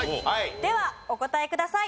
ではお答えください。